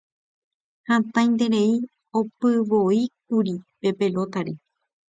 Hatãiterei opyvoíkuri pe pelota-re.